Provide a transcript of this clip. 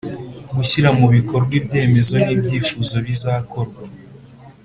Gushyira mu bikorwa ibyemezo n ‘ibyifuzo bizakorwa.